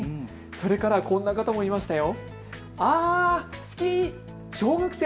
それからこんな方もいましたよ。